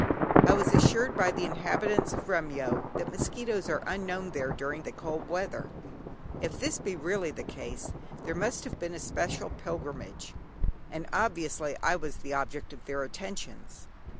I was assured by the inhabitants of Remyo that mosquitos are unknown there during the cold weather. If this be really the case, there must have been a special pilgrimage, and obviously I was the object of their attentions.